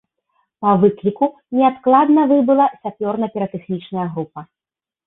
Па выкліку неадкладна выбыла сапёрна-піратэхнічная група.